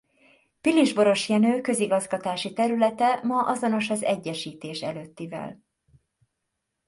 Pilisborosjenő közigazgatási területe ma azonos az egyesítés előttivel.